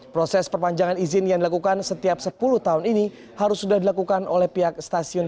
proses perpanjangan izin yang dilakukan setiap sepuluh tahun ini harus sudah dilakukan oleh pihak stasiun